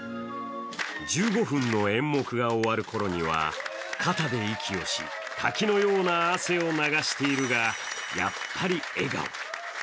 １５分の演目が終わる頃には肩で息をし、滝のような汗を流しているが、やっぱり笑顔。